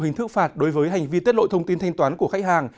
hình thức phạt đối với hành vi tiết lộ thông tin thanh toán của khách hàng